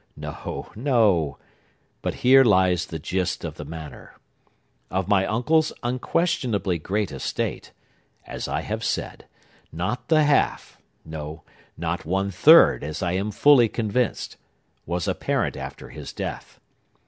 No, no! But here lies the gist of the matter. Of my uncle's unquestionably great estate, as I have said, not the half—no, not one third, as I am fully convinced—was apparent after his death.